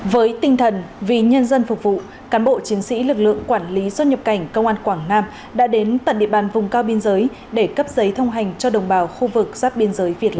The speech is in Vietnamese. với tinh thần vì nhân dân phục vụ cán bộ chiến sĩ lực lượng quản lý xuất nhập cảnh công an quảng nam đã đến tận địa bàn vùng cao biên giới để cấp giấy thông tin